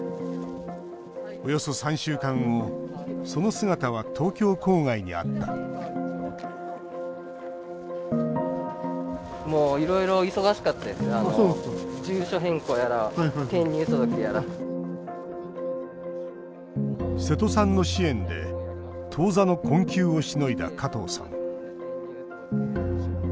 およそ３週間後その姿は東京郊外にあった瀬戸さんの支援で当座の困窮をしのいだ加藤さん。